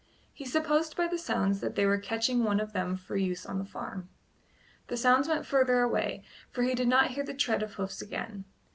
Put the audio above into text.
He supposed by the sounds that they were catching one of them for use on the farm. The sounds went further away, for he did not hear the tread of hoofs again.